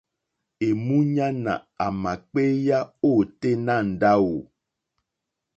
Èmúɲánà àmà kpééyá ôténá ndáwù.